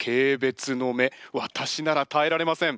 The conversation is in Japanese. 私なら耐えられません。